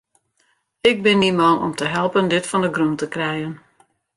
Ik bin dyn man om te helpen dit fan 'e grûn te krijen.